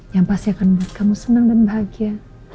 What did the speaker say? yang pasti akan buat kamu seneng dan bahagia